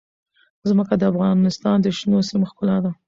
ځمکه د افغانستان د شنو سیمو ښکلا ده.